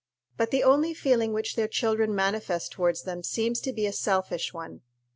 But the only feeling which their children manifest towards them seems to be a selfish one.